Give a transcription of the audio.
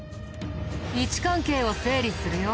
位置関係を整理するよ。